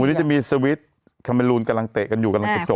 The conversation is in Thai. วันนี้จะมีสวิตช์แคเมลูนกำลังเตะกันอยู่กำลังกระจก